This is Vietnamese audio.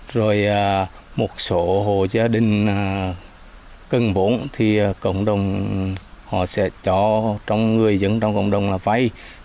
rồi một số hộ gia đình cần vốn thì cộng đồng họ sẽ cho trong người dân trong cộng đồng là vay